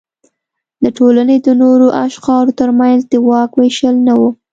د ټولنې د نورو اقشارو ترمنځ د واک وېشل نه و.